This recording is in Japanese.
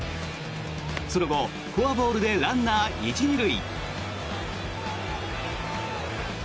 その後、フォアボールでランナー１・２塁。